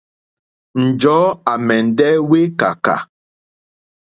Njɔ̀ɔ́ à mɛ̀ndɛ́ wékàkà.